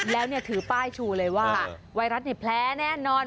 แล้วถือป้ายชูเลยว่าไวรัสนี่แพ้แน่นอน